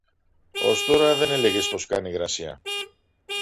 Ως τώρα δεν έλεγες πως κάνει υγρασία.